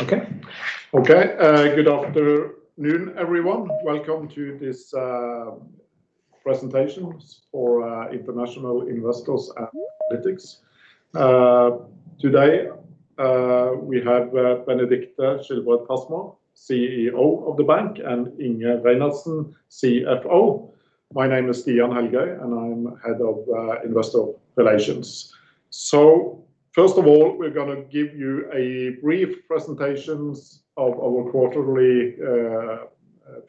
Okay. Okay, good afternoon, everyone. Welcome to this presentation for international investors and analysts. Today, we have Benedicte Schilbred Fasmer, CEO of the bank, and Inge Reinertsen, CFO. My name is Stian Helgøy, and I'm Head of Investor Relations. First of all, we're gonna give you a brief presentation of our quarterly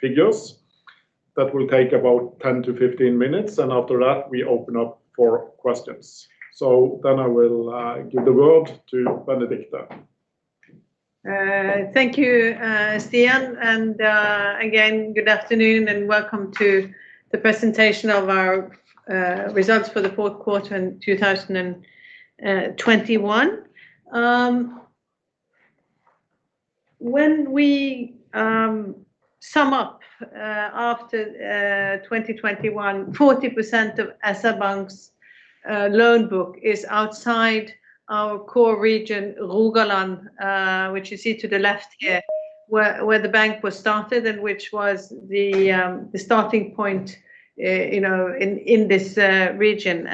figures. That will take about 10-15 minutes, and after that, we open up for questions. Then I will give the word to Benedicte. Thank you, Stian, and again, good afternoon and welcome to the presentation of our results for the fourth quarter in 2021. When we sum up after 2021, 40% of SR-Bank's loan book is outside our core region, Rogaland, which you see to the left here, where the bank was started and which was the starting point, you know, in this region.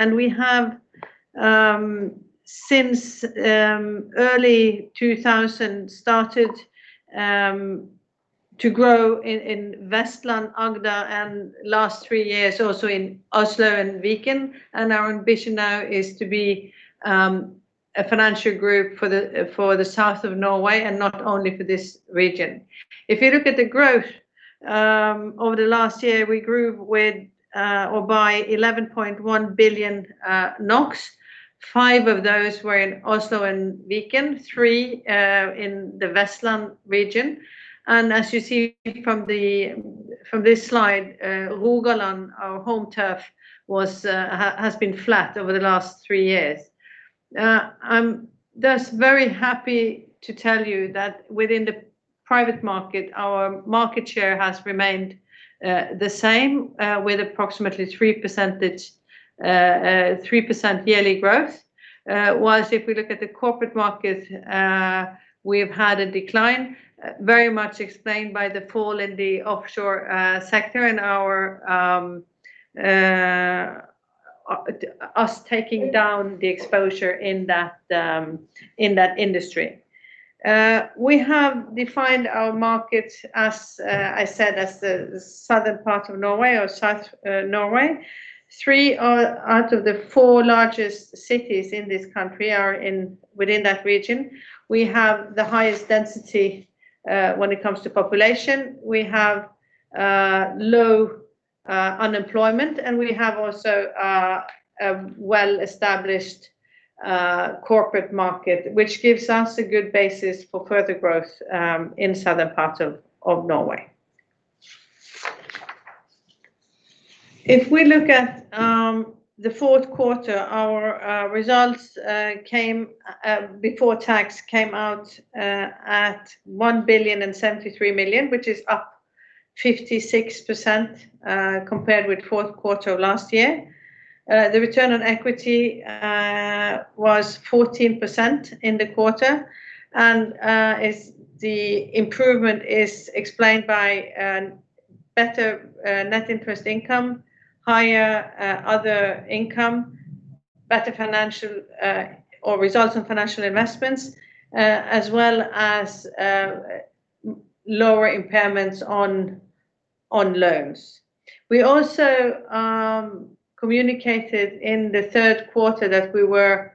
We have since early 2000 started to grow in Vestland, Agder, and last three years also in Oslo and Viken, and our ambition now is to be a financial group for the south of Norway and not only for this region. If you look at the growth over the last year, we grew by 11.1 billion NOK. Five of those were in Oslo and Viken, three in the Vestland region. As you see from this slide, Rogaland, our home turf, has been flat over the last three years. I'm thus very happy to tell you that within the private market, our market share has remained the same with approximately 3% yearly growth. While if we look at the corporate market, we've had a decline very much explained by the fall in the offshore sector and us taking down the exposure in that industry. We have defined our market, as I said, as the southern part of Norway or south Norway. Three out of the four largest cities in this country are within that region. We have the highest density when it comes to population. We have low unemployment, and we have also a well-established corporate market, which gives us a good basis for further growth in southern part of Norway. If we look at the fourth quarter, our results before tax came out at 1,073 million, which is up 56% compared with fourth quarter of last year. The return on equity was 14% in the quarter, and the improvement is explained by better net interest income, higher other income, better financial results on financial investments, as well as lower impairments on loans. We also communicated in the third quarter that we were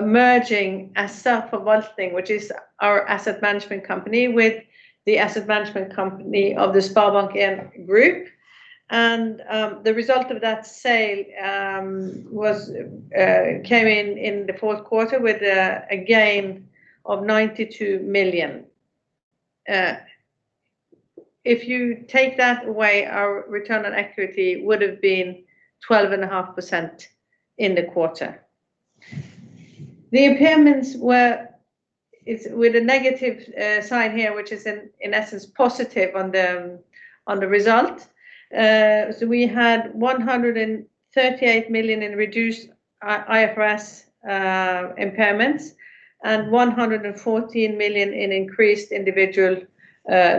merging ODIN Forvaltning, which is our asset management company, with the asset management company of the SpareBank 1 group. The result of that sale came in in the fourth quarter with a gain of 92 million. If you take that away, our return on equity would have been 12.5% in the quarter. The impairments were with a negative sign here, which is in essence positive on the result. We had 138 million in reduced IFRS impairments and 114 million in increased individual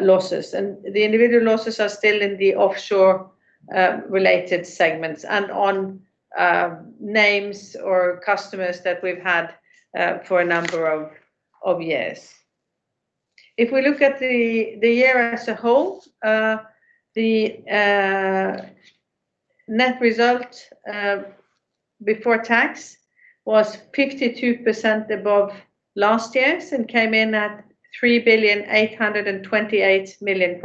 losses. The individual losses are still in the offshore related segments and on named customers that we've had for a number of years. If we look at the year as a whole, the net result before tax was 52% above last year's and came in at NOK 3,828 million.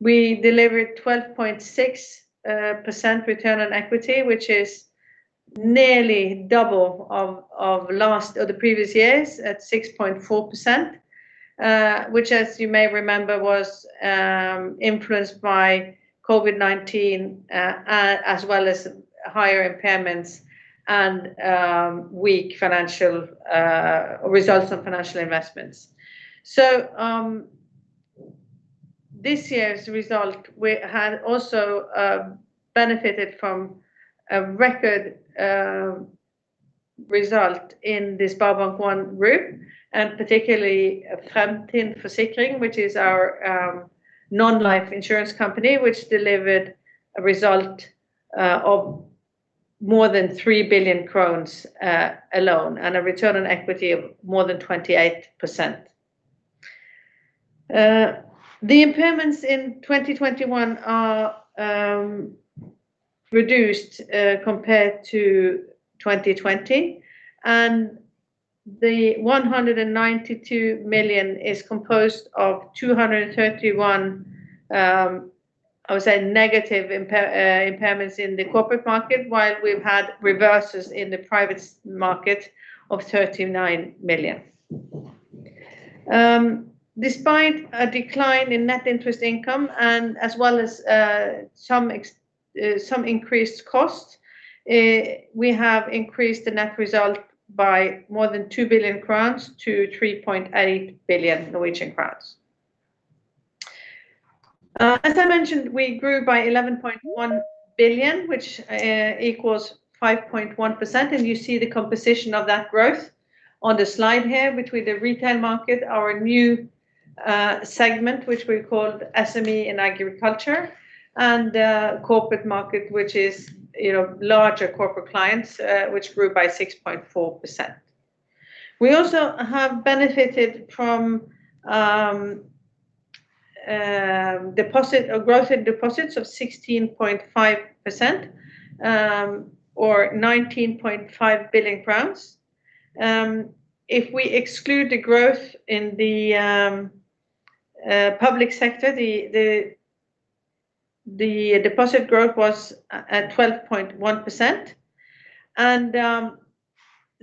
We delivered 12.6% return on equity, which is nearly double of the previous year's at 6.4%, which as you may remember was influenced by COVID-19, as well as higher impairments and weak financial results on financial investments. This year's result had also benefited from a record result in this SpareBank 1 group, and particularly Fremtind Forsikring, which is our non-life insurance company, which delivered a result of more than 3 billion alone, and a return on equity of more than 28%. The impairments in 2021 are reduced compared to 2020, and the 192 million is composed of 231 million, I would say, negative impairments in the corporate market, while we've had reversals in the private market of 39 million. Despite a decline in net interest income as well as some increased costs, we have increased the net result by more than 2 billion crowns to 3.8 billion Norwegian crowns. As I mentioned, we grew by 11.1 billion, which equals 5.1%, and you see the composition of that growth on the slide here between the Retail Market, our new segment which we call SME and Agriculture, and Corporate Market which is, you know, larger corporate clients, which grew by 6.4%. We also have benefited from growth in deposits of 16.5%, or 19.5 billion crowns. If we exclude the growth in the public sector, the deposit growth was at 12.1%.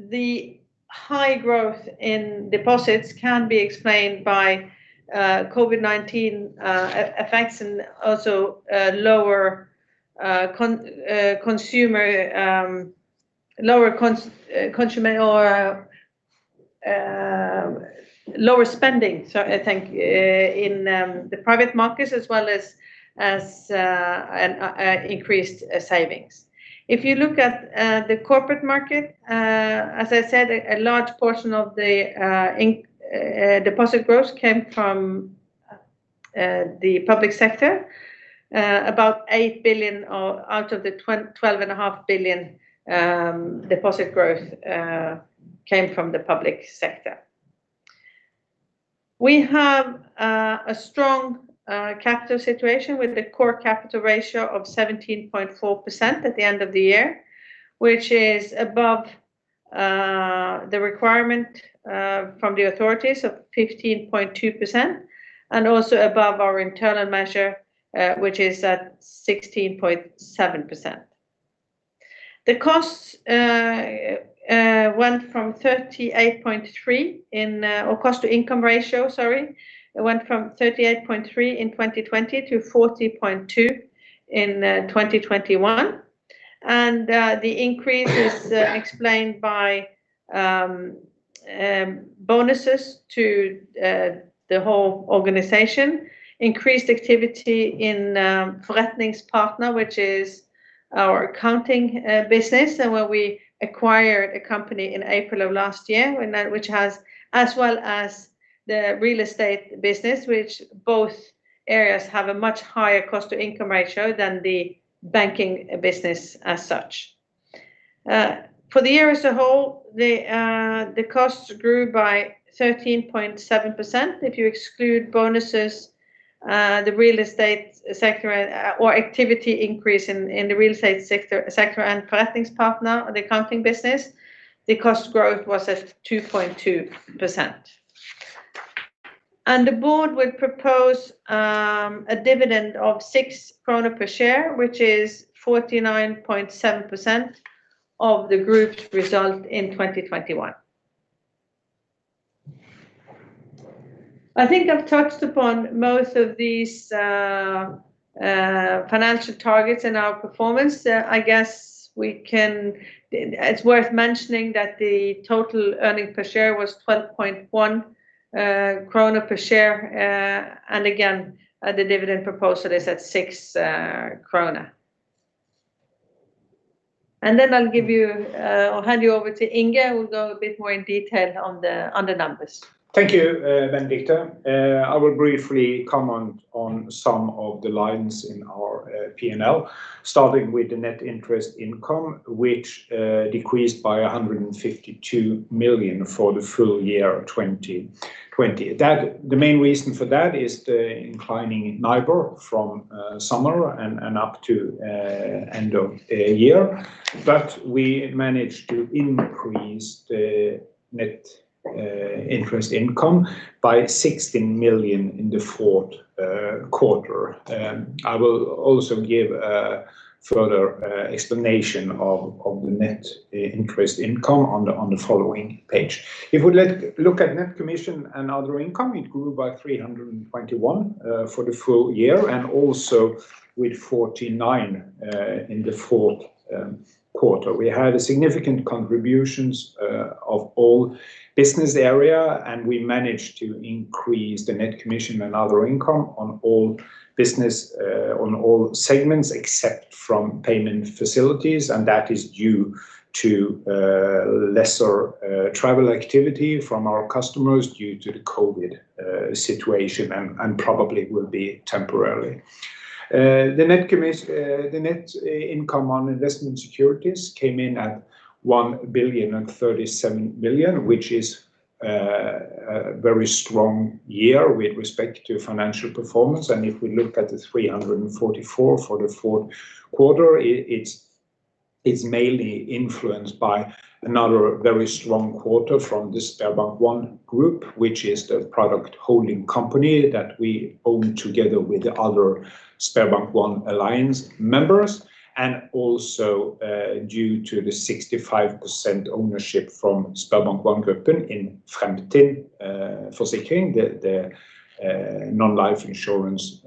The high growth in deposits can be explained by COVID-19 effects and also lower consumer spending, so I think in the private markets as well as an increased savings. If you look at the corporate market, as I said, a large portion of the deposit growth came from the public sector, about 8 billion out of the 12.5 billion deposit growth came from the public sector. We have a strong capital situation with the core capital ratio of 17.4% at the end of the year, which is above the requirement from the authorities of 15.2% and also above our internal measure, which is at 16.7%. The cost to income ratio went from 38.3% in 2020 to 40.2% in 2021. The increase is explained by bonuses to the whole organization, increased activity in ForretningsPartner, which is our accounting business and where we acquired a company in April of last year when that, which has. As well as the real estate business, which both areas have a much higher cost to income ratio than the banking business as such. For the year as a whole, the costs grew by 13.7%. If you exclude bonuses, the real estate sector or activity increase in the real estate sector and ForretningsPartner or the accounting business, the cost growth was at 2.2%. The board will propose a dividend of 6 krone per share, which is 49.7% of the group's result in 2021. I think I've touched upon most of these financial targets in our performance. I guess we can. It's worth mentioning that the total earnings per share was 12.1 krone per share, and again, the dividend proposal is at 6 krone. I'll give you or hand you over to Inge, who will go a bit more in detail on the numbers. Thank you, Benedicte. I will briefly comment on some of the lines in our P&L, starting with the net interest income, which decreased by 152 million for the full year 2020. The main reason for that is the declining NIBOR from summer and up to end of year. We managed to increase the net interest income by 16 million in the fourth quarter. I will also give a further explanation of the net interest income on the following page. If we let's look at net commission and other income, it grew by 321 million for the full year and also with 49 million in the fourth quarter. We had significant contributions of all business areas. We managed to increase the net commission and other income on all business, on all segments except from payment facilities, and that is due to lesser travel activity from our customers due to the COVID situation and probably will be temporarily. The net income on investment securities came in at 1.037 billion, which is a very strong year with respect to financial performance. If we look at the 344 for the fourth quarter, it's mainly influenced by another very strong quarter from the SpareBank 1 Gruppen, which is the product holding company that we own together with the other SpareBank 1 Alliance members, and also due to the 65% ownership from SpareBank 1 Gruppen in Fremtind Forsikring, the non-life insurance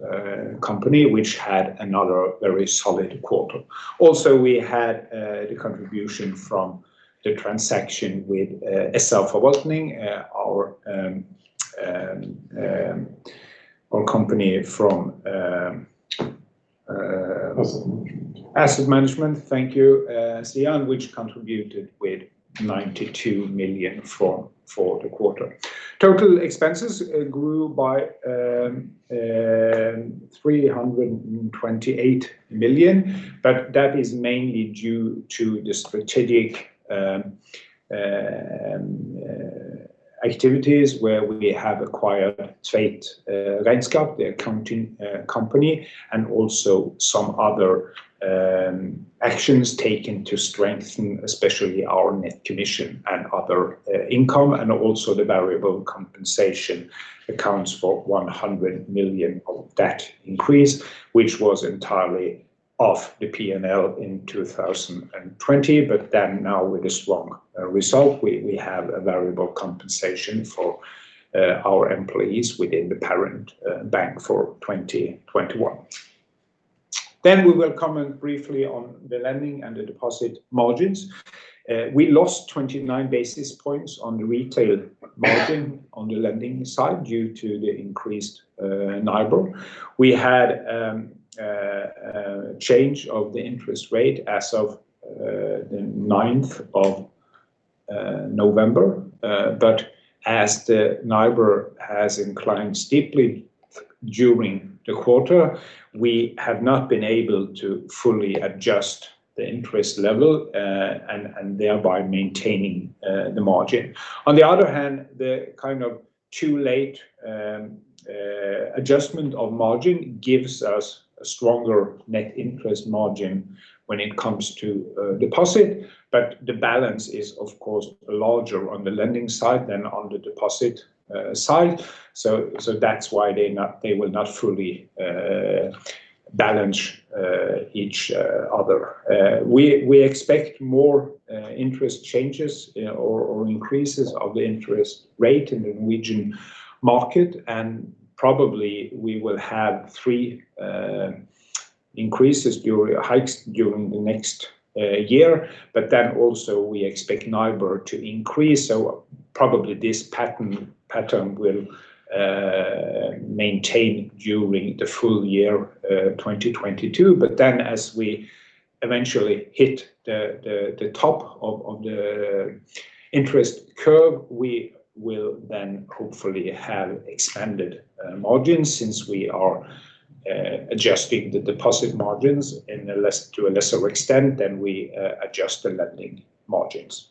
company which had another very solid quarter. Also, we had the contribution from the transaction with SR-Forvaltning, our asset management company. Thank you, Stian, which contributed with 92 million for the quarter. Total expenses grew by 328 million, but that is mainly due to the strategic activities where we have acquired Treff Regnskap, the accounting company, and also some other actions taken to strengthen, especially our net commission and other income and also the variable compensation accounts for 100 million of that increase, which was entirely off the P&L in 2020. Now with a strong result, we have a variable compensation for our employees within the parent bank for 2021. We will comment briefly on the lending and the deposit margins. We lost 29 basis points on the retail margin on the lending side due to the increased NIBOR. We had change of the interest rate as of the ninth of November. As the NIBOR has increased steeply during the quarter, we have not been able to fully adjust the interest level, and thereby maintaining the margin. On the other hand, the kind of too late adjustment of margin gives us a stronger net interest margin when it comes to deposit, but the balance is of course larger on the lending side than on the deposit side. That's why they will not fully balance each other. We expect more interest changes or increases of the interest rate in the Norwegian market, and probably we will have three increases or hikes during the next year. Then also we expect NIBOR to increase, so probably this pattern will maintain during the full year 2022. As we eventually hit the top of the interest curve, we will then hopefully have expanded margins since we are adjusting the deposit margins to a lesser extent than we adjust the lending margins.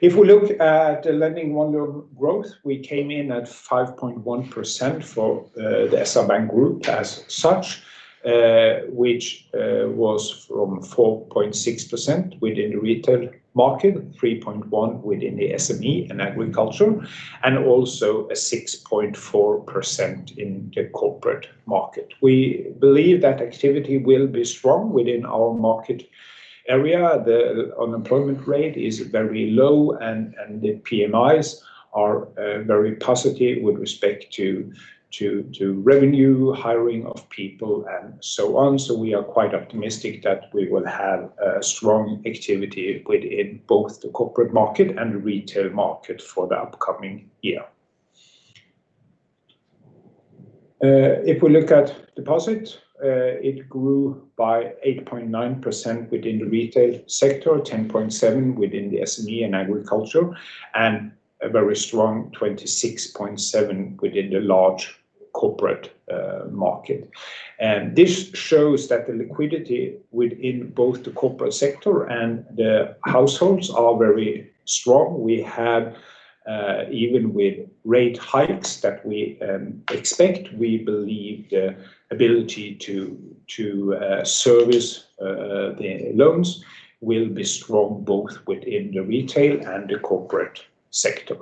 If we look at the lending volume growth, we came in at 5.1% for the SR-Bank group as such, which was from 4.6% within the retail market, 3.1% within the SME and agriculture, and also a 6.4% in the corporate market. We believe that activity will be strong within our market area. The unemployment rate is very low and the PMIs are very positive with respect to revenue, hiring of people, and so on. We are quite optimistic that we will have strong activity within both the corporate market and the retail market for the upcoming year. If we look at deposit, it grew by 8.9% within the retail sector, 10.7% within the SME and Agriculture, and a very strong 26.7% within the large corporate market. This shows that the liquidity within both the corporate sector and the households are very strong. We have even with rate hikes that we expect, we believe the ability to service the loans will be strong both within the retail and the corporate sector.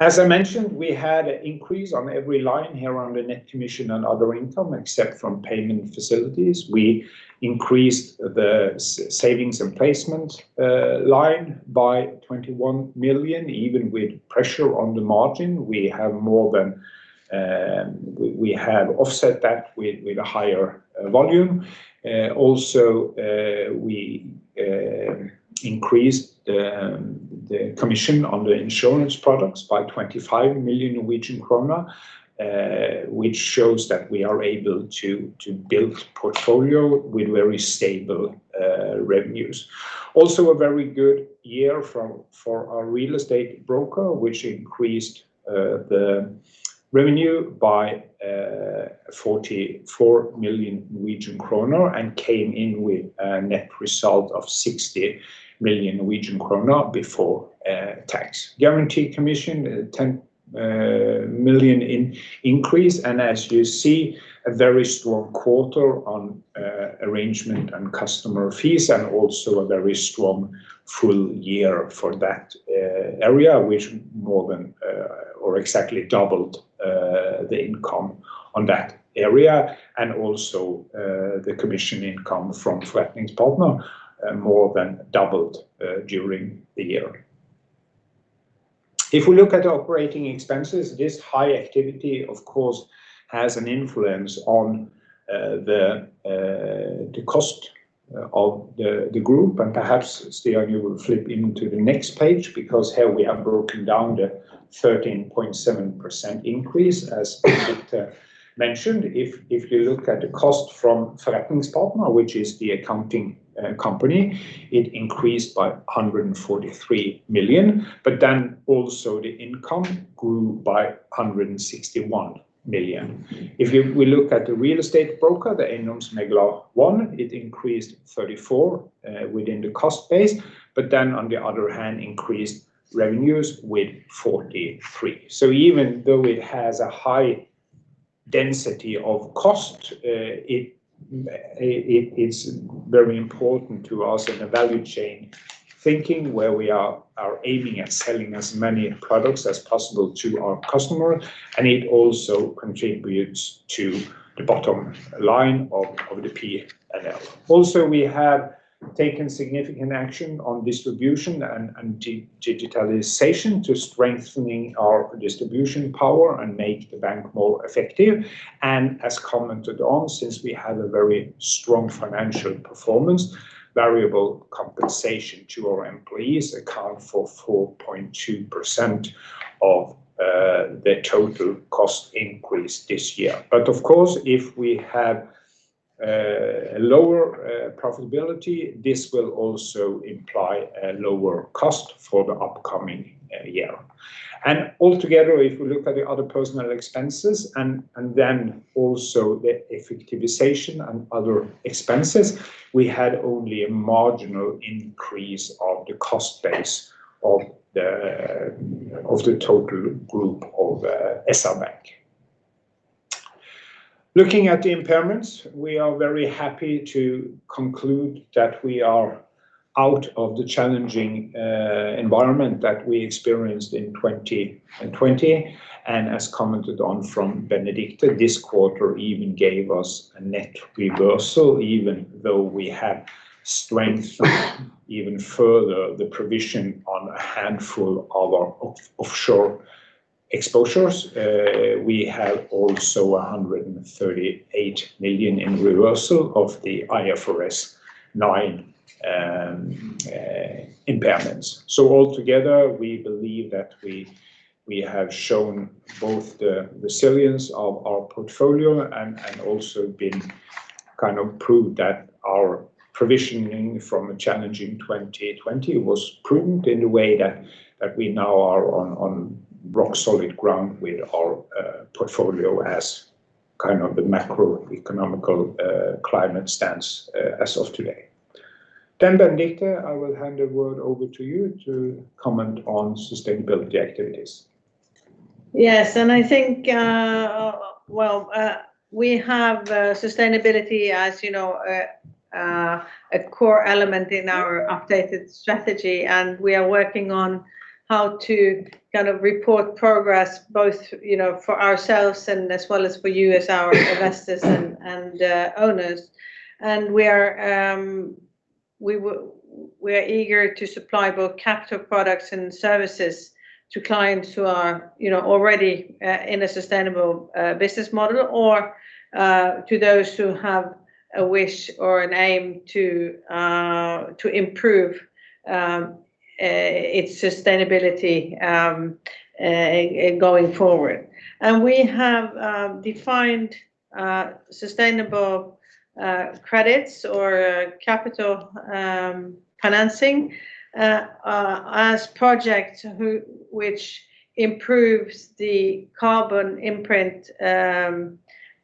As I mentioned, we had an increase on every line here on the net commission and other income, except from payment facilities. We increased the savings and placement line by 21 million. Even with pressure on the margin, we have more than offset that with a higher volume. Also, we increased the commission on the insurance products by 25 million Norwegian krone, which shows that we are able to build portfolio with very stable revenues. Also a very good year for our real estate broker, which increased the revenue by 44 million Norwegian kroner and came in with a net result of 60 million Norwegian kroner before tax. Guarantee commission ten million in increase, and as you see, a very strong quarter on arrangement and customer fees and also a very strong full year for that area, which exactly doubled the income on that area. Also, the commission income from ForretningsPartner more than doubled during the year. If we look at operating expenses, this high activity, of course, has an influence on the cost of the group, and perhaps, Stian, you will flip into the next page because here we have broken down the 13.7% increase, as Benedicte mentioned. If you look at the cost from ForretningsPartner, which is the accounting company, it increased by 143 million, but then also the income grew by 161 million. If we look at the real estate broker, the EiendomsMegler 1, it increased 34 million within the cost base, but then on the other hand, increased revenues with 43 million. Even though it has a high density of cost, it's very important to us in the value chain thinking where we are aiming at selling as many products as possible to our customer, and it also contributes to the bottom line of the P&L. We have taken significant action on distribution and digitalization to strengthening our distribution power and make the bank more effective. As commented on, since we had a very strong financial performance, variable compensation to our employees account for 4.2% of the total cost increase this year. Of course, if we have a lower profitability, this will also imply a lower cost for the upcoming year. Altogether, if we look at the other personnel expenses and then also the efficiencies and other expenses, we had only a marginal increase of the cost base of the total group of SR-Bank. Looking at the impairments, we are very happy to conclude that we are out of the challenging environment that we experienced in 2020. As commented on from Benedicte, this quarter even gave us a net reversal, even though we have strengthened even further the provision on a handful of our offshore exposures. We have also 138 million in reversal of the IFRS 9 impairments. Altogether, we believe that we have shown both the resilience of our portfolio and also been kind of proved that our provisioning from a challenging 2020 was prudent in the way that we now are on rock-solid ground with our portfolio as kind of the macroeconomic climate stands as of today. Benedicte, I will hand the word over to you to comment on sustainability activities. Yes, I think, well, we have sustainability, as you know, a core element in our updated strategy, and we are working on how to kind of report progress both, you know, for ourselves and as well as for you as our investors and owners. We are eager to supply both capital products and services to clients who are, you know, already in a sustainable business model or to those who have a wish or an aim to improve its sustainability going forward. We have defined sustainable credits or capital financing as projects which improve the carbon footprint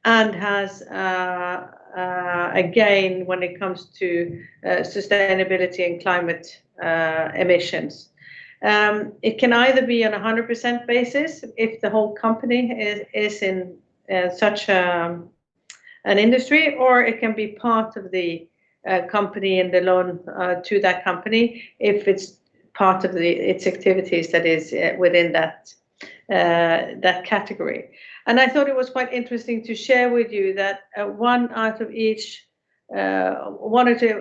and has a gain when it comes to sustainability and climate emissions. It can either be on a 100% basis if the whole company is in such an industry or it can be part of the company and the loan to that company if it's part of its activities that is within that category. I thought it was quite interesting to share with you that one or two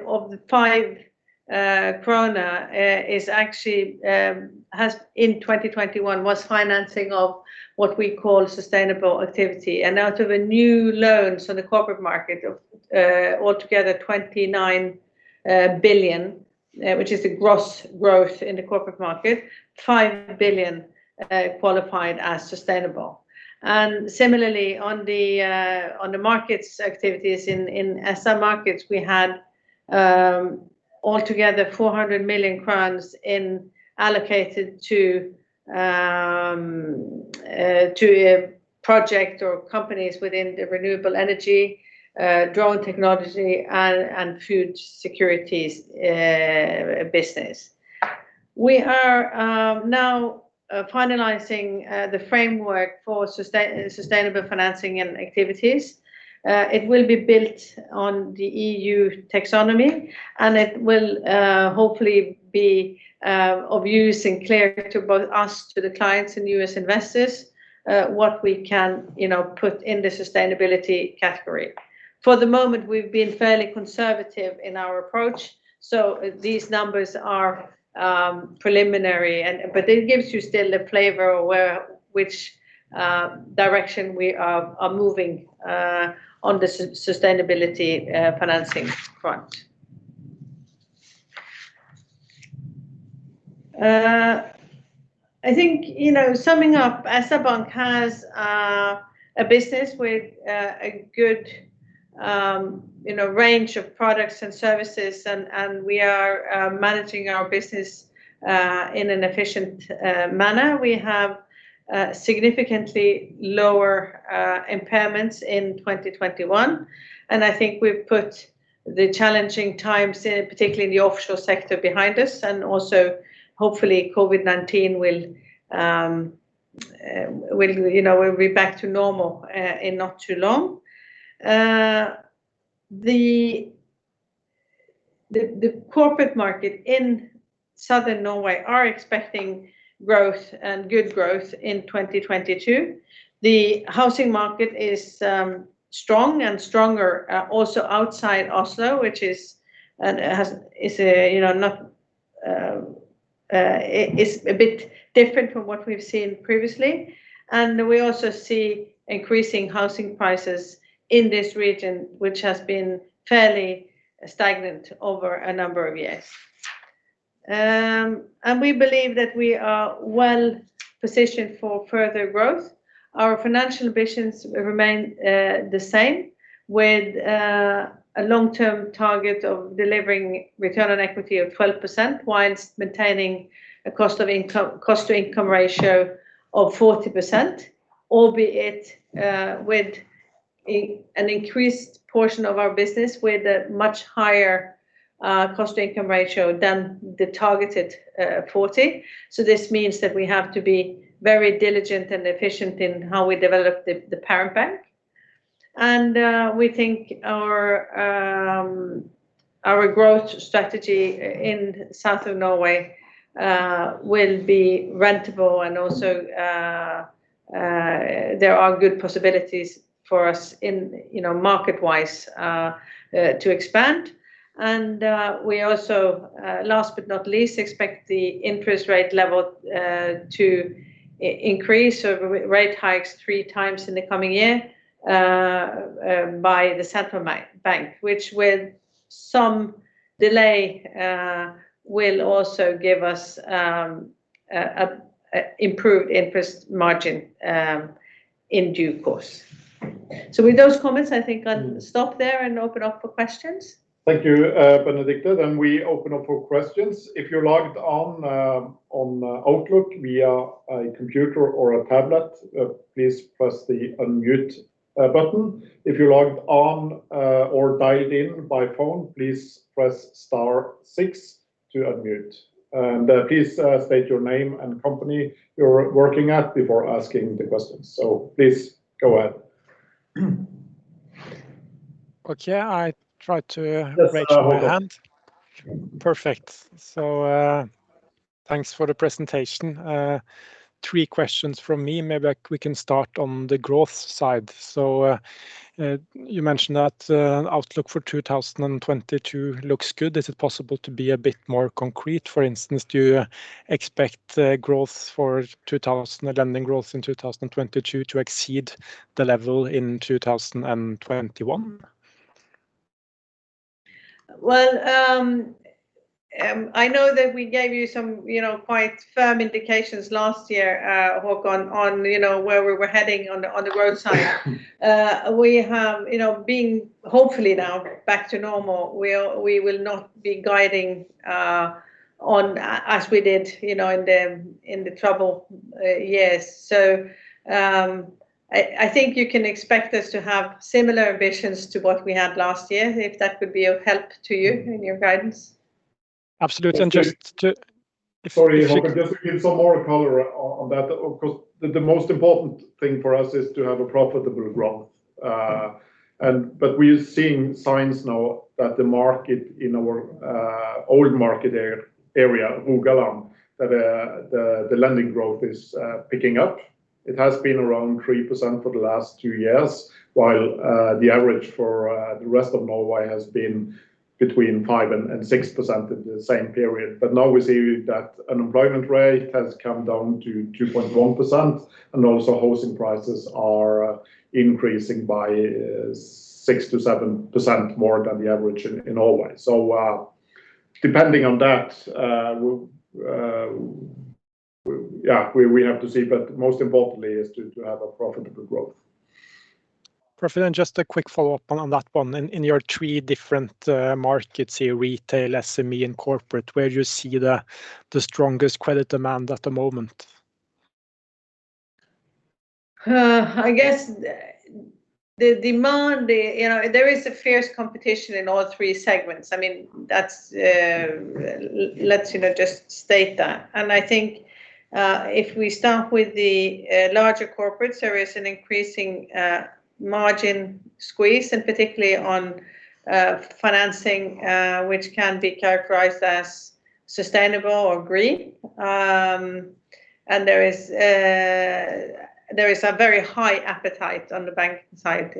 of the five kroner is actually financing of what we call sustainable activity in 2021. Out of the new loans on the corporate market of altogether 29 billion, which is the gross growth in the corporate market, 5 billion qualified as sustainable. Similarly, on the markets activities in SR Markets, we had altogether NOK 400 million income allocated to a project or companies within the renewable energy, drone technology, and food security business. We are now finalizing the framework for sustainable financing and activities. It will be built on the EU Taxonomy, and it will hopefully be of use and clear to both us, the clients and our investors what we can, you know, put in the sustainability category. For the moment, we've been fairly conservative in our approach, so these numbers are preliminary, but it gives you still a flavor of which direction we are moving on the sustainability financing front. I think, you know, summing up, SR-Bank has a business with a good range of products and services, and we are managing our business in an efficient manner. We have significantly lower impairments in 2021, and I think we've put the challenging times, particularly in the offshore sector, behind us, and also hopefully COVID-19 will, you know, be back to normal in not too long. The corporate market in Southern Norway are expecting growth and good growth in 2022. The housing market is strong and stronger also outside Oslo, which is, you know, a bit different from what we've seen previously. We also see increasing housing prices in this region, which has been fairly stagnant over a number of years. We believe that we are well positioned for further growth. Our financial ambitions remain the same with a long-term target of delivering return on equity of 12% while maintaining a cost of income, cost to income ratio of 40%, albeit with an increased portion of our business with a much higher cost to income ratio than the targeted 40. This means that we have to be very diligent and efficient in how we develop the parent bank. We think our growth strategy in south of Norway will be profitable and also there are good possibilities for us in, you know, market-wise, to expand. We also, last but not least, expect the interest rate level to increase, rate hikes three times in the coming year by the central bank, which with some delay will also give us an improved interest margin in due course. With those comments, I think I'll stop there and open up for questions. Thank you, Benedicte, and we open up for questions. If you're logged on Outlook via a computer or a tablet, please press the unmute button. If you're logged on or dialed in by phone, please press star six to unmute. Please state your name and company you're working at before asking the questions. Please go ahead. Okay. I tried to raise my hand. Yes. Go ahead. Perfect. Thanks for the presentation. Three questions from me. Maybe we can start on the growth side. You mentioned that outlook for 2022 looks good. Is it possible to be a bit more concrete? For instance, do you expect lending growth in 2022 to exceed the level in 2021? Well, I know that we gave you some, you know, quite firm indications last year, Håkon, on, you know, where we were heading on the growth side. We have, you know, being hopefully now back to normal, we are, we will not be guiding on as we did, you know, in the troubled years. I think you can expect us to have similar ambitions to what we had last year, if that could be of help to you in your guidance. Absolutely. Sorry Håkon, just to give some more color on that. Of course, the most important thing for us is to have a profitable growth. We are seeing signs now that the market in our old market area, Rogaland, that the lending growth is picking up. It has been around 3% for the last two years, while the average for the rest of Norway has been between 5% and 6% in the same period. Now we see that unemployment rate has come down to 2.1%, and also housing prices are increasing by 6%-7% more than the average in Norway. Depending on that, we have to see, but most importantly is to have a profitable growth. Perfect. Just a quick follow-up on that one. In your three different markets here, retail, SME, and corporate, where you see the strongest credit demand at the moment? I guess the demand, you know, there is a fierce competition in all three segments. I mean, that's, let's, you know, just state that. I think, if we start with the larger corporate, there is an increasing margin squeeze, and particularly on financing which can be characterized as sustainable or green. There is a very high appetite on the banking side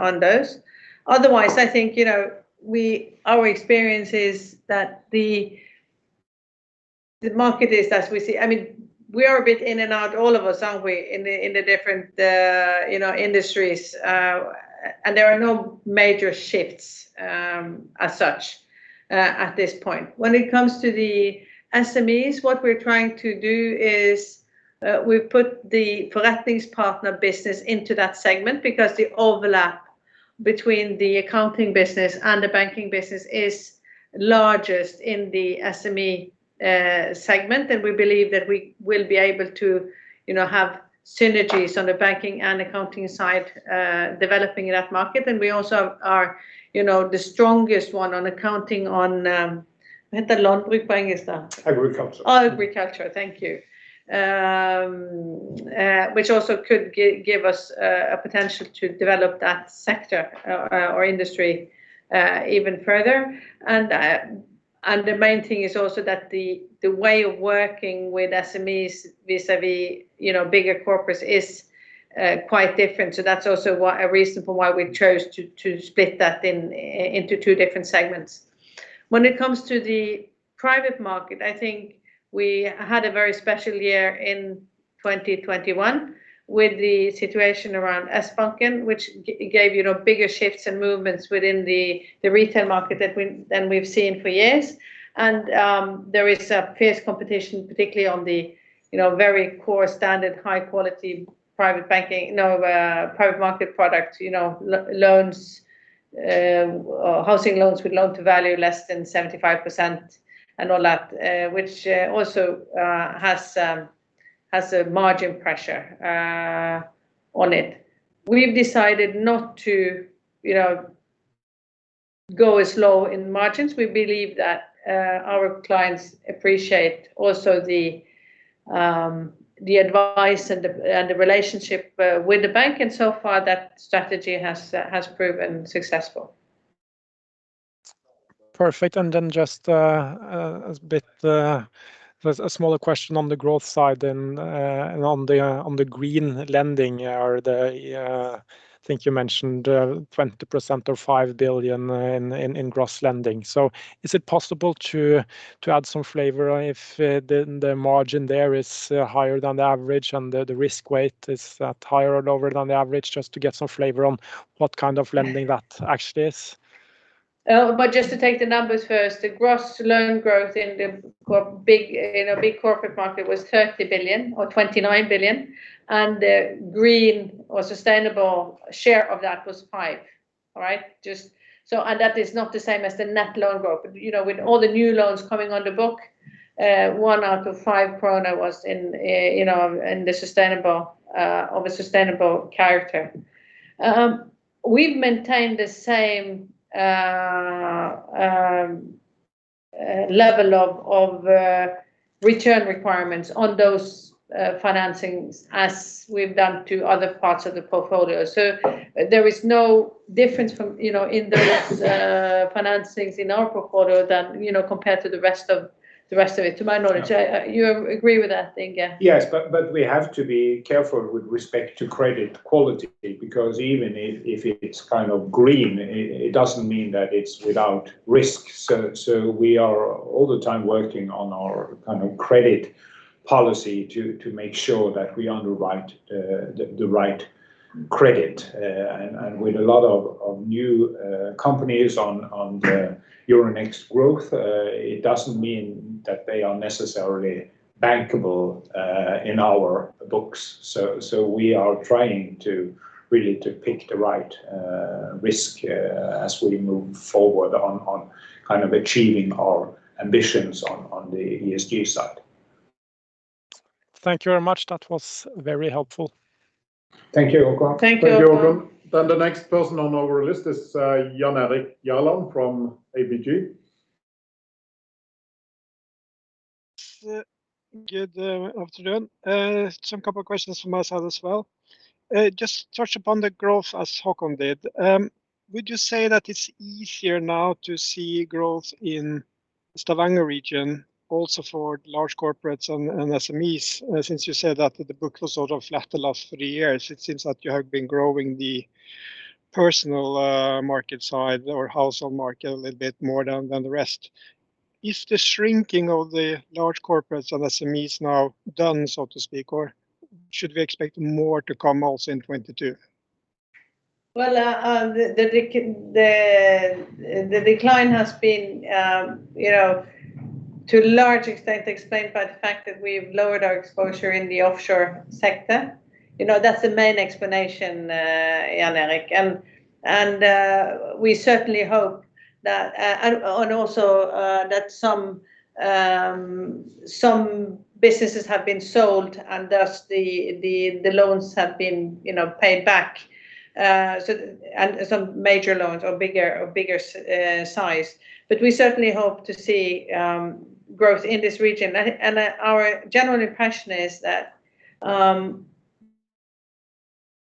on those. Otherwise, I think, you know, our experience is that the market is as we see. I mean, we are a bit in and out all of us, aren't we, in the different industries. There are no major shifts as such at this point. When it comes to the SMEs, what we're trying to do is, we put the ForretningsPartner business into that segment because the overlap between the accounting business and the banking business is largest in the SME segment. We believe that we will be able to, you know, have synergies on the banking and accounting side developing in that market. We also are, you know, the strongest one in accounting in the local group banks, is that? Agriculture. Oh, agriculture. Thank you. Which also could give us a potential to develop that sector or industry even further. The main thing is also that the way of working with SMEs vis-a-vis, you know, bigger corporates is quite different. That's also a reason for why we chose to split that into two different segments. When it comes to the private market, I think we had a very special year in 2021 with the situation around Sbanken, which gave, you know, bigger shifts and movements within the retail market than we've seen for years. There is a fierce competition, particularly on the, you know, very core standard high quality private banking, you know, private market products, you know, loans, or housing loans with loan to value less than 75% and all that, which also has a margin pressure on it. We've decided not to, you know, go as low in margins. We believe that our clients appreciate also the advice and the relationship with the bank. So far, that strategy has proven successful. Perfect. Just a bit, there's a smaller question on the growth side and on the green lending. Are they? I think you mentioned 20% or 5 billion in gross lending. So is it possible to add some flavor if the margin there is higher than the average and the risk weight is higher than the average, just to get some flavor on what kind of lending that actually is? Just to take the numbers first, the gross loan growth in our big corporate market was 30 billion or 29 billion, and the green or sustainable share of that was 5 billion. All right? That is not the same as the net loan growth. You know, with all the new loans coming on the book, one out of five kroner was in, you know, in the sustainable of a sustainable character. We've maintained the same level of return requirements on those financings as we've done to other parts of the portfolio. There is no difference from, you know, in those financings in our portfolio that, you know, compared to the rest of it, to my knowledge. You agree with that, Inge, yeah? Yes. We have to be careful with respect to credit quality because even if it's kind of green, it doesn't mean that it's without risk. We are all the time working on our kind of credit policy to make sure that we underwrite the right credit. With a lot of new companies on the Euronext Growth, it doesn't mean that they are necessarily bankable in our books. We are trying to really pick the right risk as we move forward on kind of achieving our ambitions on the ESG side. Thank you very much. That was very helpful. Thank you, Håkon. Thank you, Håkon. Thank you, Håkon. The next person on our list is Jan Erik Gjerland from ABG. Good afternoon. Some couple of questions from my side as well. Just touch upon the growth as Håkon did. Would you say that it's easier now to see growth in Stavanger region also for large corporates and SMEs, since you said that the book was sort of flat the last three years? It seems like you have been growing the personal market side or household market a little bit more than the rest. Is the shrinking of the large corporates and SMEs now done, so to speak, or should we expect more to come also in 2022? Well, the decline has been, you know, to a large extent explained by the fact that we've lowered our exposure in the offshore sector. You know, that's the main explanation, Jan Erik, and we certainly hope that and also that some businesses have been sold, and thus the loans have been, you know, paid back. Some major loans or bigger size. We certainly hope to see growth in this region. Our general impression is that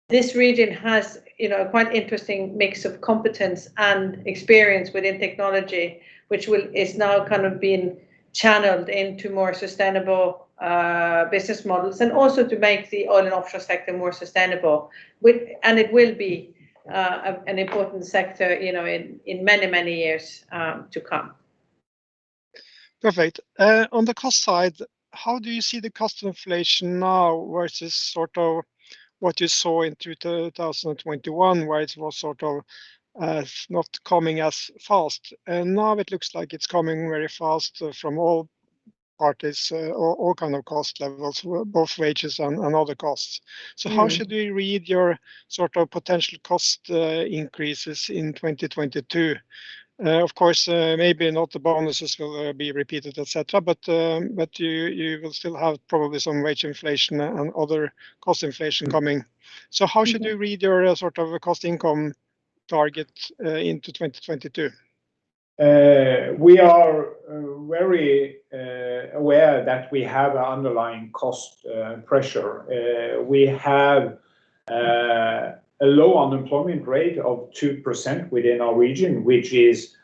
this region has, you know, a quite interesting mix of competence and experience within technology, which is now kind of being channeled into more sustainable business models and also to make the oil and offshore sector more sustainable. It will be an important sector, you know, in many years to come. Perfect. On the cost side, how do you see the cost inflation now versus sort of what you saw in 2021, where it was sort of not coming as fast? Now it looks like it's coming very fast from all parties, all kind of cost levels, both wages and other costs. Mm-hmm. How should we read your sort of potential cost increases in 2022? Of course, maybe not the bonuses will be repeated, et cetera, but you will still have probably some wage inflation and other cost inflation coming. How should we read your sort of cost income target into 2022? We are very aware that we have an underlying cost pressure. We have a low unemployment rate of 2% within our region, which is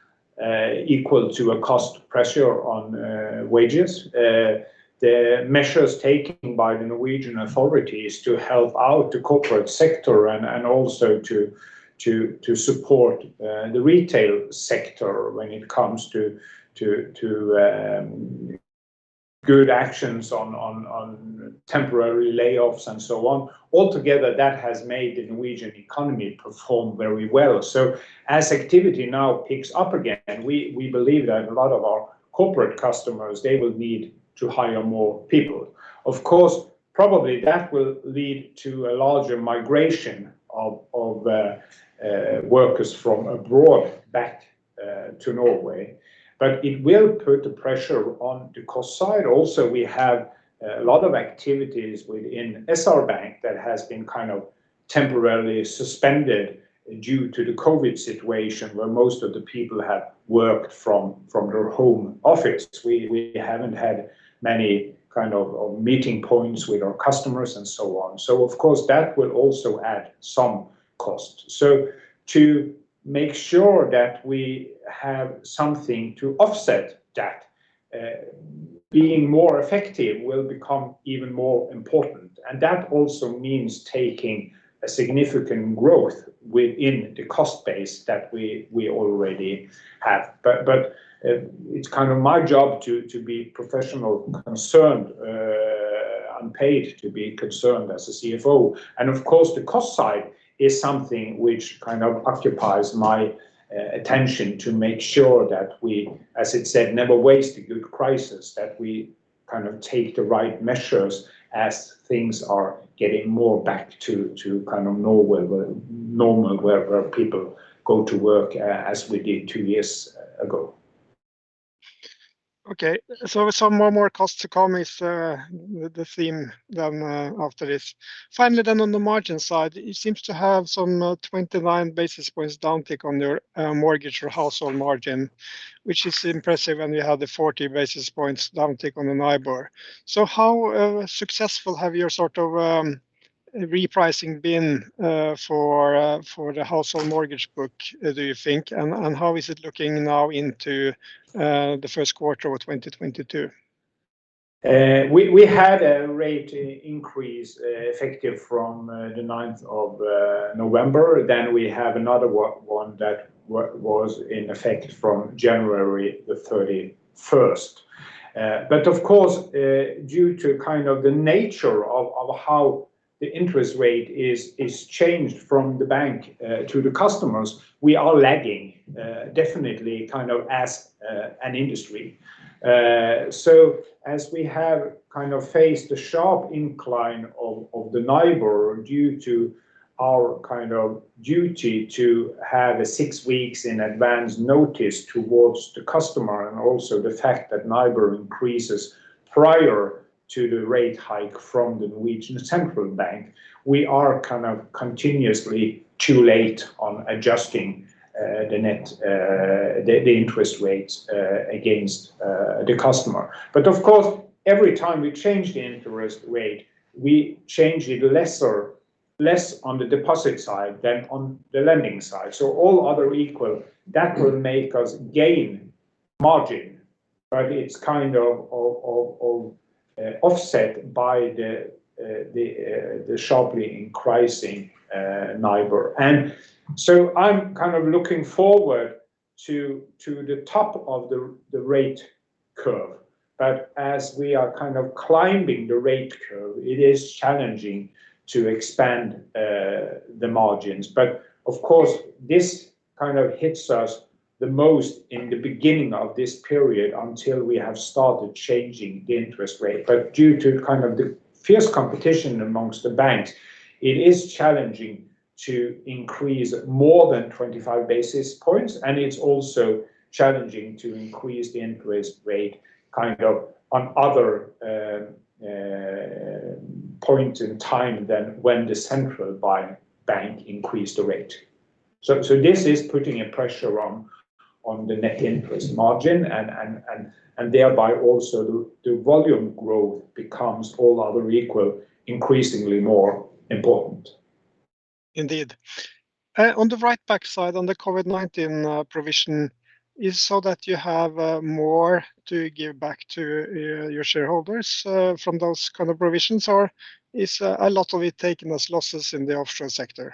equal to a cost pressure on wages. The measures taken by the Norwegian authorities to help out the corporate sector and also to support the retail sector when it comes to good actions on temporary layoffs and so on. Altogether, that has made the Norwegian economy perform very well. As activity now picks up again, we believe that a lot of our corporate customers they will need to hire more people. Of course, probably that will lead to a larger migration of workers from abroad back to Norway. It will put the pressure on the cost side. Also, we have a lot of activities within SR-Bank that has been kind of temporarily suspended due to the COVID situation, where most of the people have worked from their home office. We haven't had many kind of meeting points with our customers and so on. Of course, that will also add some cost. To make sure that we have something to offset that, being more effective will become even more important, and that also means taking a significant growth within the cost base that we already have. It's kind of my job to be professionally concerned. I'm paid to be concerned as the CFO. Of course, the cost side is something which kind of occupies my attention to make sure that we, as it's said, never waste a good crisis, that we kind of take the right measures as things are getting more back to normal, where people go to work as we did two years ago. Okay. Some more cost to come is the theme then after this. Finally, on the margin side, you seems to have some 29 basis points downtick on your mortgage or household margin, which is impressive, and you have the 40 basis points downtick on the NIBOR. How successful have your sort of repricing been for the household mortgage book do you think? And how is it looking now into the first quarter of 2022? We had a rate increase effective from 9th of November. We have another one that was in effect from January 31st. Of course, due to kind of the nature of how the interest rate is changed from the bank to the customers, we are lagging definitely kind of as an industry. As we have kind of faced the sharp incline of the NIBOR due to our kind of duty to have six weeks in advance notice towards the customer and also the fact that NIBOR increases prior to the rate hike from Norges Bank, we are kind of continuously too late on adjusting the net interest rates against the customer. Of course, every time we change the interest rate, we change it less on the deposit side than on the lending side. All else equal, that will make us gain margin, but it's kind of offset by the sharply increasing NIBOR. I'm kind of looking forward to the top of the rate curve. As we are kind of climbing the rate curve, it is challenging to expand the margins. This kind of hits us the most in the beginning of this period until we have started changing the interest rate. Due to kind of the fierce competition among the banks, it is challenging to increase more than 25 basis points, and it's also challenging to increase the interest rate kind of on other point in time than when the central bank increased the rate. This is putting a pressure on the net interest margin, and thereby also the volume growth becomes all other equal, increasingly more important. Indeed. On the bright side, on the COVID-19 provision, is so that you have more to give back to your shareholders from those kind of provisions? Or is a lot of it taken as losses in the offshore sector?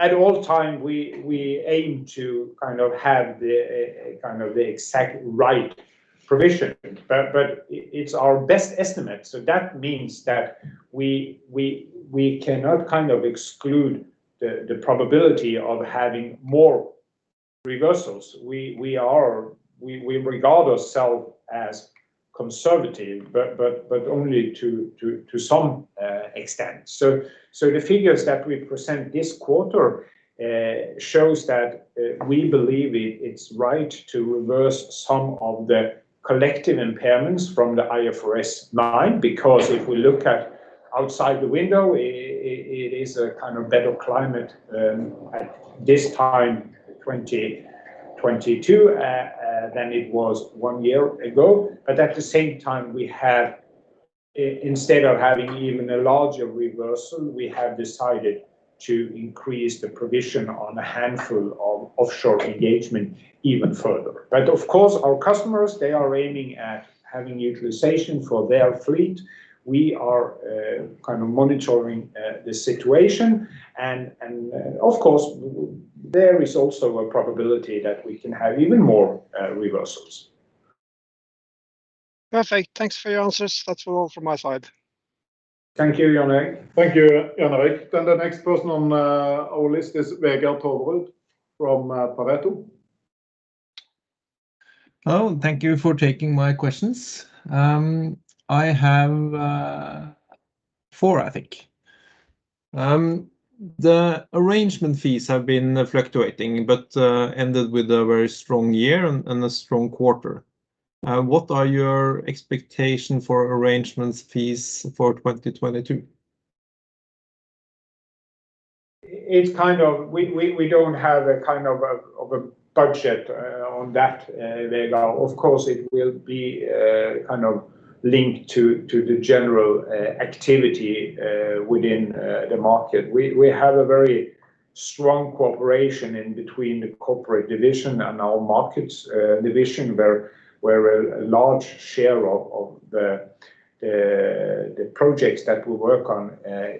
At all times, we aim to kind of have the exact right provision. It's our best estimate, so that means that we cannot kind of exclude the probability of having more reversals. We regard ourselves as conservative, but only to some extent. The figures that we present this quarter show that we believe it's right to reverse some of the collective impairments from the IFRS 9. Because if we look outside the window, it is a kind of better climate at this time, 2022, than it was one year ago. At the same time, we have, instead of having even a larger reversal, we have decided to increase the provision on a handful of offshore engagement even further. Of course, our customers, they are aiming at having utilization for their fleet. We are kind of monitoring the situation, and of course, there is also a probability that we can have even more reversals. Perfect. Thanks for your answers. That's all from my side. Thank you, Jan Erik Gjerland. Thank you, Jan Erik Gjerland. The next person on our list is Vegard Toverud from Pareto. Oh, thank you for taking my questions. I have 4, I think. The arrangement fees have been fluctuating, but ended with a very strong year and a strong quarter. What are your expectation for arrangement fees for 2022? We don't have a kind of budget on that, Vegard. Of course, it will be kind of linked to the general activity within the market. We have a very strong cooperation in between the corporate division and our Markets division, where a large share of the projects that we work on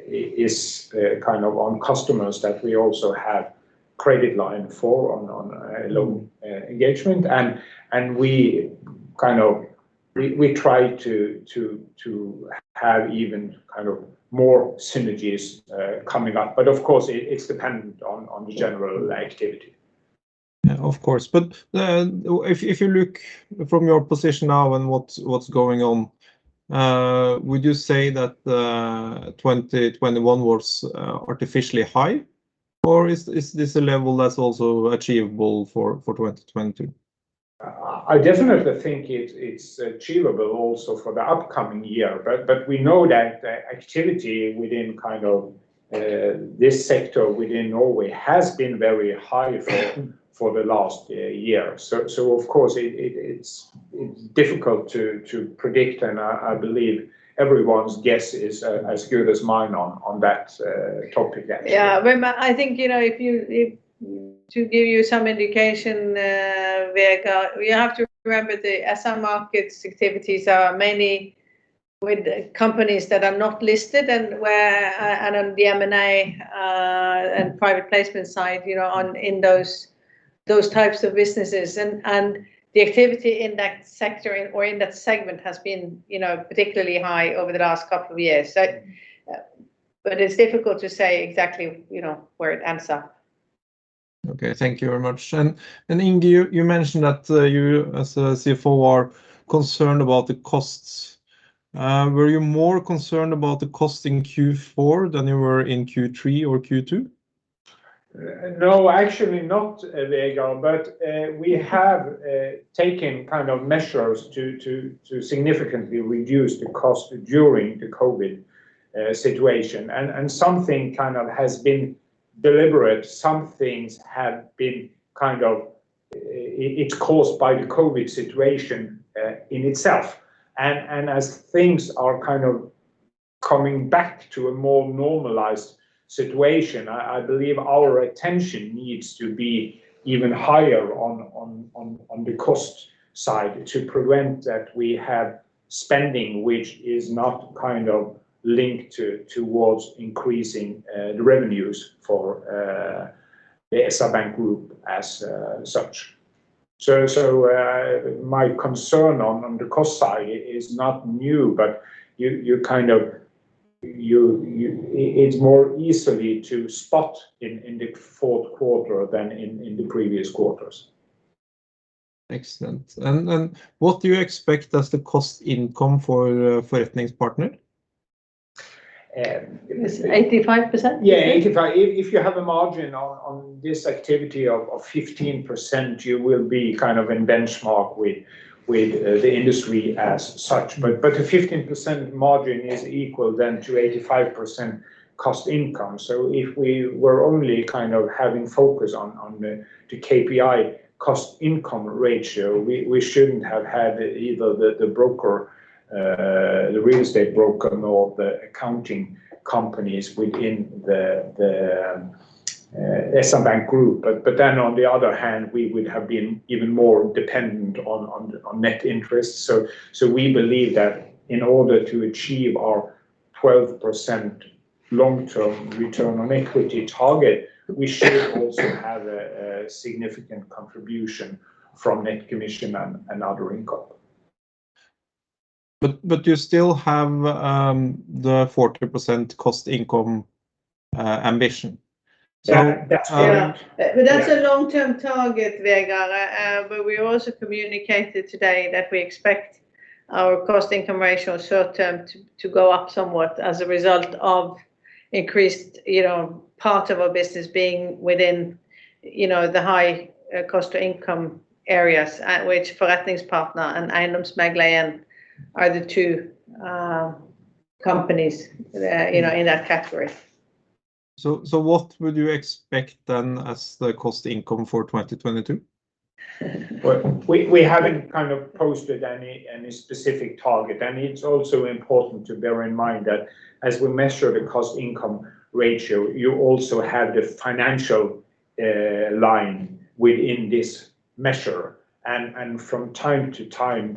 is kind of on customers that we also have credit line for on loan engagement. We try to have even kind of more synergies coming up. Of course, it's dependent on the general activity. Yeah, of course. If you look from your position now and what's going on, would you say that 2021 was artificially high, or is this a level that's also achievable for 2020? I definitely think it's achievable also for the upcoming year. We know that activity within kind of this sector within Norway has been very high for the last year. Of course, it's difficult to predict, and I believe everyone's guess is as good as mine on that topic actually. I think, you know, to give you some indication, Vegard, you have to remember the SpareBank 1 Markets activities are mainly with companies that are not listed and on the M&A and private placement side, you know, in those types of businesses. The activity in that sector or in that segment has been, you know, particularly high over the last couple of years. It's difficult to say exactly, you know, where it ends up. Okay. Thank you very much. Inge, you mentioned that you as CFO are concerned about the costs. Were you more concerned about the cost in Q4 than you were in Q3 or Q2? No, actually not, Vegard. We have taken kind of measures to significantly reduce the cost during the COVID situation. Something kind of has been deliberate, some things have been kind of caused by the COVID situation in itself. As things are kind of coming back to a more normalized situation, I believe our attention needs to be even higher on the cost side to prevent that we have spending which is not kind of linked towards increasing the revenues for the SR-Bank Group as such. My concern on the cost side is not new, but it's more easily to spot in the fourth quarter than in the previous quarters. Excellent. What do you expect as the cost income for ForretningsPartner? It's 85%. Yeah, 85%. If you have a margin on this activity of 15%, you will be kind of in benchmark with the industry as such. A 15% margin is equal then to 85% cost/income. If we were only kind of having focus on the KPI cost/income ratio, we shouldn't have had either the broker, the real estate broker nor the accounting companies within the SR-Bank Group. On the other hand, we would have been even more dependent on net interest. We believe that in order to achieve our 12% long-term return on equity target, we should also have a significant contribution from net commission and other income. You still have the 40% cost income ambition. Yeah. That's a long-term target, Vegard. We also communicated today that we expect our cost income ratio short-term to go up somewhat as a result of increased, you know, part of our business being within, you know, the high cost to income areas, which ForretningsPartner and EiendomsMegler 1 are the two companies, you know, in that category. What would you expect then as the cost/income for 2022? We haven't kind of posted any specific target. It's also important to bear in mind that as we measure the cost/income ratio, you also have the finance line within this measure. From time to time,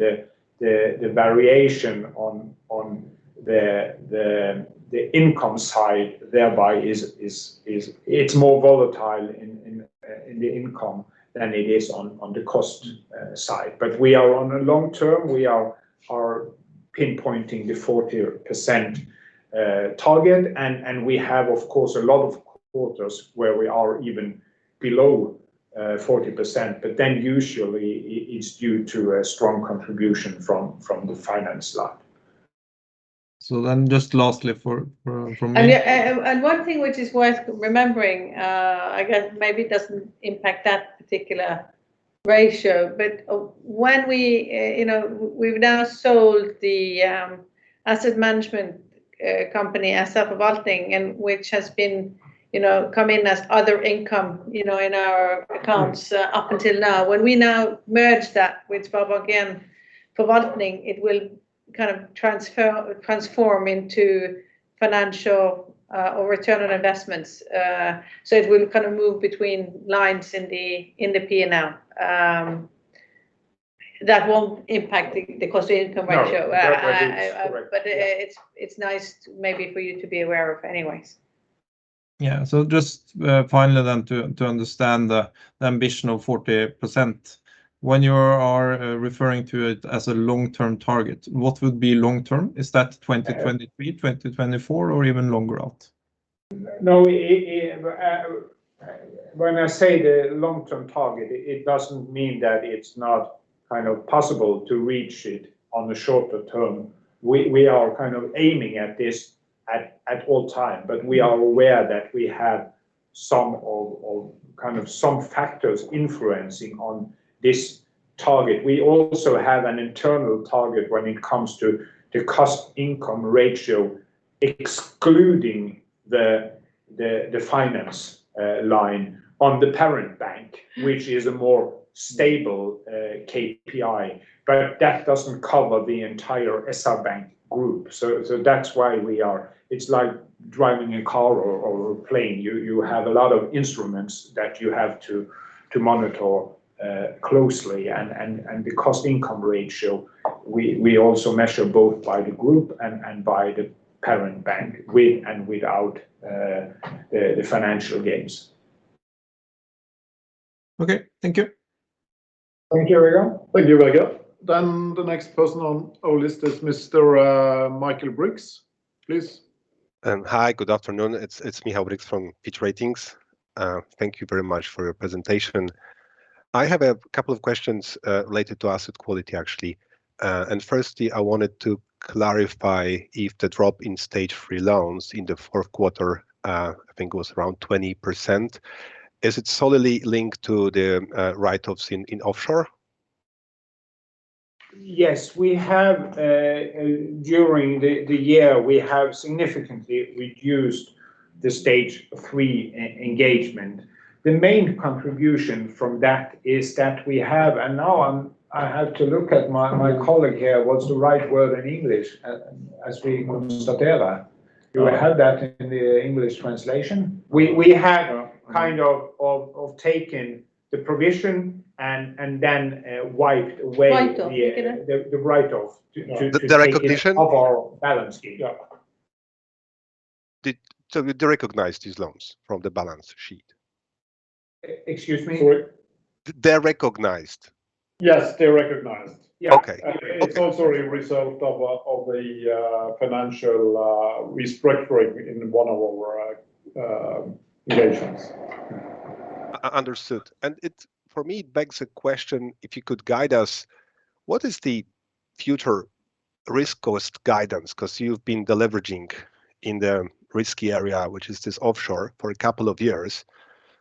the variation on the income side thereby is more volatile in the income than it is on the cost side. In the long term, we are pinpointing the 40% target and we have of course a lot of quarters where we are even below 40%. Then usually it's due to a strong contribution from the finance line. Just lastly from me. Yeah, one thing which is worth remembering. I guess maybe it doesn't impact that particular ratio, but when we've now sold the asset management company, SR-Forvaltning AS, and which has been, you know, come in as other income, you know, in our accounts up until now. When we now merge that with ODIN Forvaltning, it will kind of transfer, transform into financial or return on investments. So it will kind of move between lines in the P&L. That won't impact the cost to income ratio. No, that is correct. It's nice maybe for you to be aware of anyways. Just, finally then to understand the ambition of 40%. When you are referring to it as a long-term target, what would be long-term? Is that 2023, 2024, or even longer out? No, it. When I say the long-term target, it doesn't mean that it's not kind of possible to reach it on the shorter term. We are kind of aiming at this at all times, but we are aware that we have some kind of factors influencing on this target. We also have an internal target when it comes to the cost income ratio, excluding the finance line on the parent bank, which is a more stable KPI. That doesn't cover the entire SR-Bank Group. That's why we are. It's like driving a car or a plane. You have a lot of instruments that you have to monitor closely. The cost income ratio, we also measure both by the group and by the parent bank with and without the financial gains. Okay, thank you. Thank you, Vegard. Thank you, Vegard. The next person on our list is Mr. Michael Briggs. Please. Hi, good afternoon. It's Michael Briggs from Fitch Ratings. Thank you very much for your presentation. I have a couple of questions related to asset quality actually. Firstly, I wanted to clarify if the drop in Stage 3 loans in the fourth quarter, I think was around 20%. Is it solely linked to the write-offs in offshore? Yes. We have during the year significantly reduced the Stage 3 exposure. The main contribution from that is that now I have to look at my colleague here, what's the right word in English as we. Støtera. You have that in the English translation? We have. No kind of taken the provision and then wiped away the Write-off. You can. the write-off to The recognition? Take it off our balance sheet. Yeah. You derecognized these loans from the balance sheet? Excuse me? Sorry. They're recognized? Yes, they're recognized. Yeah. Okay. It's also a result of the financial restructuring in one of our divisions. Understood. It, for me, begs the question, if you could guide us, what is the future risk cost guidance? 'Cause you've been deleveraging in the risky area, which is this offshore, for a couple of years.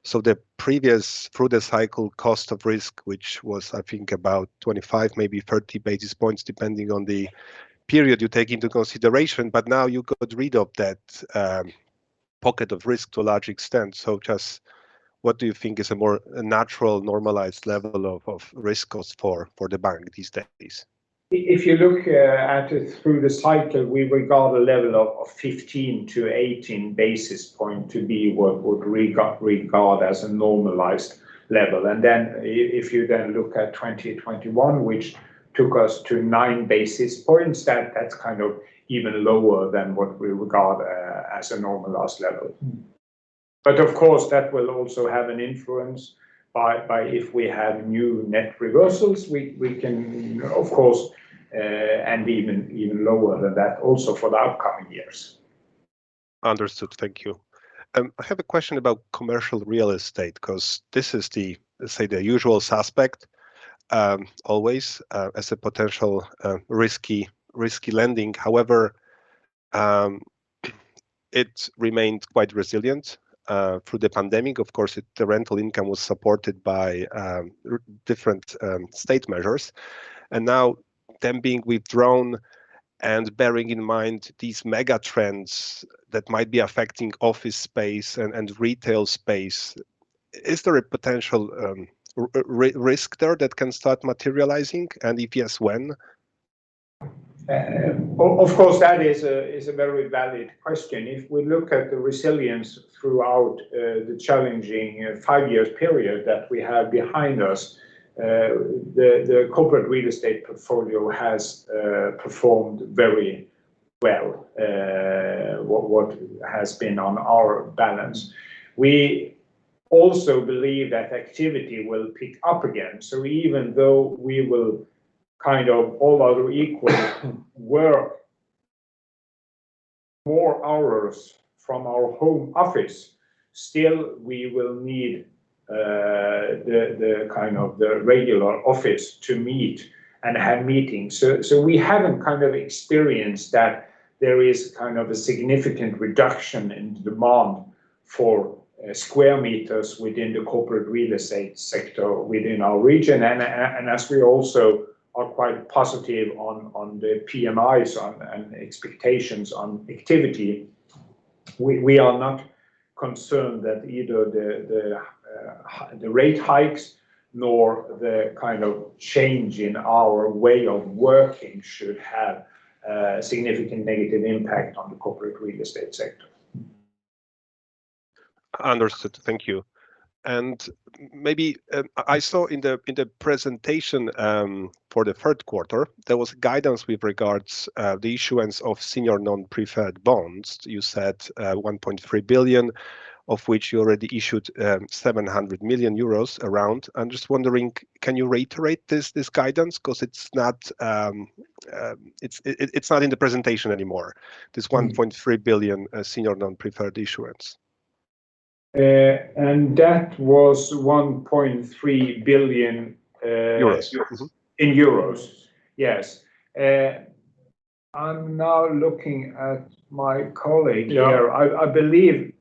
The previous through the cycle cost of risk, which was, I think about 25, maybe 30 basis points, depending on the period you take into consideration, but now you got rid of that, pocket of risk to a large extent. Just what do you think is a more natural, normalized level of risk cost for the bank these days? If you look at it through the cycle, we regard a level of 15-18 basis points to be what we'd regard as a normalized level. If you then look at 2021, which took us to 9 basis points, that's kind of even lower than what we regard as a normalized level. Of course, that will also be influenced by if we have new net reversals. We can of course end even lower than that also for the upcoming years. Understood. Thank you. I have a question about commercial real estate, 'cause this is the, let's say the usual suspect, always, as a potential, risky lending. However, it remained quite resilient through the pandemic. Of course, the rental income was supported by different state measures. Now them being withdrawn and bearing in mind these mega trends that might be affecting office space and retail space, is there a potential risk there that can start materializing, and if yes, when? Of course, that is a very valid question. If we look at the resilience throughout the challenging five years period that we have behind us, the corporate real estate portfolio has performed very well, what has been on our balance. We also believe that activity will pick up again. Even though we will kind of, all other equal, work more hours from our home office, still we will need the kind of the regular office to meet and have meetings. We haven't kind of experienced that there is kind of a significant reduction in demand for square meters within the corporate real estate sector within our region. As we also are quite positive on the PMIs and expectations on activity, we are not concerned that either the rate hikes nor the kind of change in our way of working should have a significant negative impact on the corporate real estate sector. Understood. Thank you. Maybe I saw in the presentation for the third quarter, there was guidance with regards to the issuance of senior non-preferred bonds. You said 1.3 billion, of which you already issued 700 million euros around. I'm just wondering, can you reiterate this guidance? 'Cause it's not in the presentation anymore, this 1.3 billion senior non-preferred issuance. That was 1.3 billion. Euros Euros. In euros, yes. I'm now looking at my colleague here. Yeah. I believe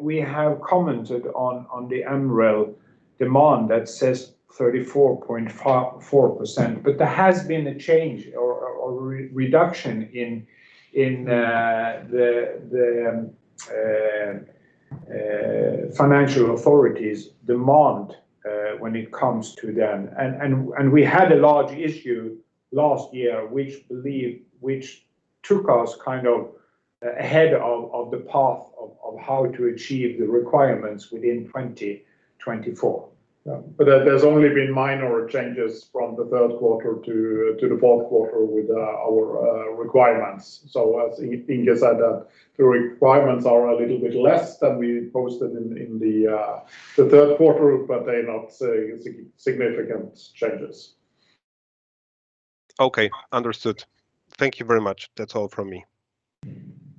we have commented on the MREL demand that says 34.4%, but there has been a change or reduction in the financial authority's demand when it comes to them. We had a large issue last year, which took us kind of ahead of the path of how to achieve the requirements within 2024. There's only been minor changes from the third quarter to the fourth quarter with our requirements. As Inge said, the requirements are a little bit less than we posted in the third quarter, but they're not significant changes. Okay. Understood. Thank you very much. That's all from me.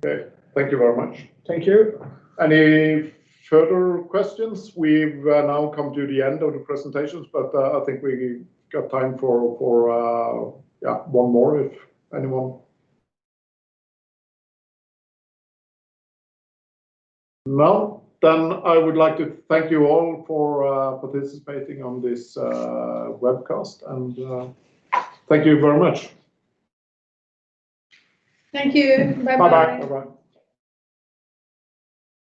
Okay. Thank you very much. Thank you. Any further questions? We've now come to the end of the presentations, but I think we got time for yeah, one more if anyone. No? Then I would like to thank you all for participating on this webcast, and thank you very much. Thank you. Bye-bye. Bye-bye.